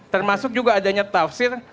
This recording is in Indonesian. termasuk juga adanya tafsir